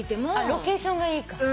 ロケーションがいいか。